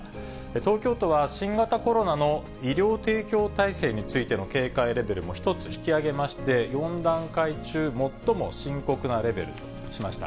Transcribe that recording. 東京都は新型コロナの医療提供体制についての警戒レベルも１つ引き上げまして、４段階中最も深刻なレベルにしました。